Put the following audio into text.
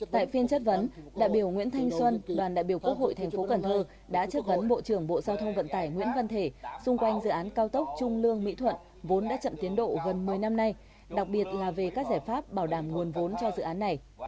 tại phiên chất vấn đại biểu nguyễn thanh xuân đoàn đại biểu quốc hội thành phố cần thơ đã chất vấn bộ trưởng bộ giao thông vận tải nguyễn văn thể xung quanh dự án cao tốc trung lương mỹ thuận vốn đã chậm tiến độ gần một mươi năm nay đặc biệt là về các giải pháp bảo đảm nguồn vốn cho dự án này